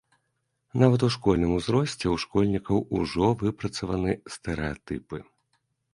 Нават у школьным узросце ў школьнікаў ужо выпрацаваны стэрэатыпы.